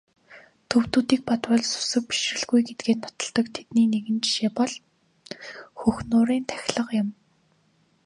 Төвөдүүдийг бодвол сүсэг бишрэлгүй гэдгээ нотолдог тэдний нэгэн жишээ бол Хөх нуурын тахилга юм.